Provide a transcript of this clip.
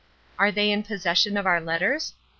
Are they in possession of our letters?